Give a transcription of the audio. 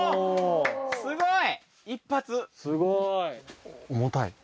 すごい！